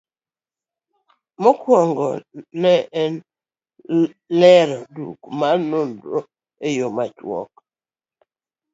Mokwongo, ne en lero duoko mar nonro e yo machuok